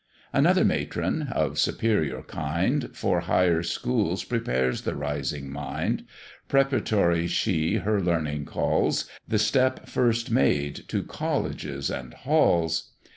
Another matron, of superior kind, For higher schools prepares the rising mind; Preparatory she her Learning calls, The step first made to colleges and halls.